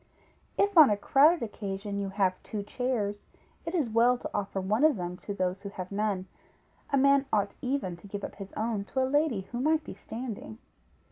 If on a crowded occasion you have two chairs, it is well to offer one of them to those who have none; a man ought even to give up his own to a lady who might be standing.